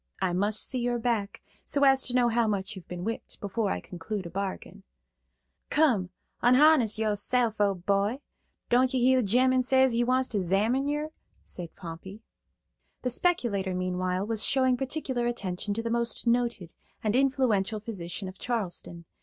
"I must see your back, so as to know how much you've been whipped, before I conclude a bargain." "Cum, unharness yoseff, ole boy. Don't you hear the gemman say he wants to zammin yer?" said Pompey. The speculator, meanwhile, was showing particular attention to the most noted and influential physician of Charleston.